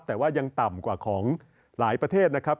แต่ว่ายังต่ำกว่าของหลายประเทศนะครับ